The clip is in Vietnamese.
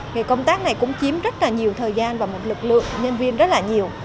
thì công tác này cũng chiếm rất là nhiều thời gian và một lực lượng nhân viên rất là nhiều